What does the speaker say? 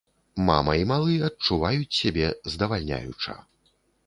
Мама і малы адчуваюць сябе здавальняюча!